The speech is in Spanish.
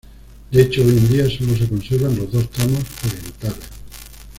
De hecho hoy en día solo se conservan los dos tramos orientales.